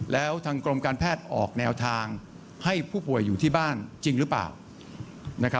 แล้วทางกรมการแพทย์ออกแนวทางให้ผู้ป่วยอยู่ที่บ้านจริงหรือเปล่า